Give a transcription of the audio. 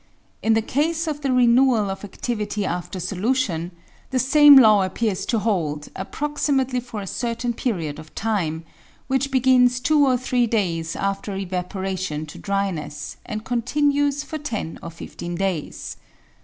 In the case of the renewal of adtivity after solution, the same law appears to hold approximately for a certain period of time, which begins two or three days after evaporation to dryness and continues for ten or fifteen days.